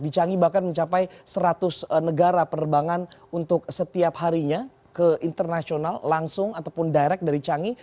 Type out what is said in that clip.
di canggih bahkan mencapai seratus negara penerbangan untuk setiap harinya ke internasional langsung ataupun direct dari cangi